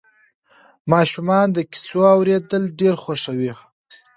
ماشومان د کیسو اورېدل ډېر خوښوي.